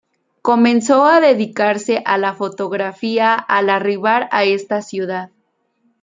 Comenzó a dedicarse a la fotografía al arribar a esta ciudad.